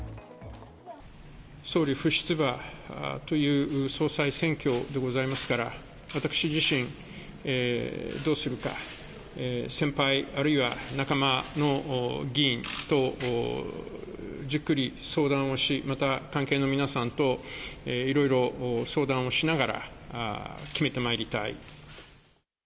総理不出馬という総裁選挙でございますから、私自身どうするか、先輩あるいは仲間の議員とじっくり相談をし、また関係の皆さんといろいろ相談をしながら決めてまいりたい。